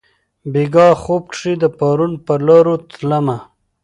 بیګاه خوب کښي د پرون پرلارو تلمه